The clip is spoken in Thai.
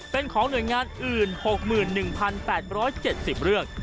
เป็นของหน่วยงานอื่น๖๑๘๗๐เรื่อง